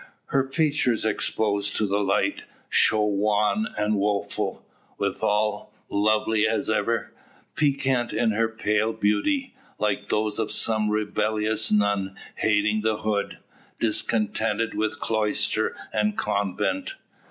Her features exposed to the light, show wan and woeful; withal, lovely as ever; piquant in their pale beauty, like those of some rebellious nun hating the hood, discontented with cloister and convent.